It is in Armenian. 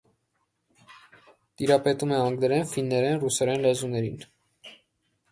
Տիրապետում է անգլերեն, ֆիններեն, ռուսերեն լեզուներին։